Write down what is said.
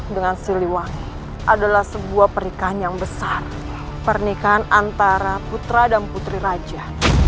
dengan siliwangi adalah sebuah pernikahan yang besar pernikahan antara putra dan putri raja